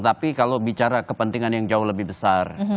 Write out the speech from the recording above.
tapi kalau bicara kepentingan yang jauh lebih besar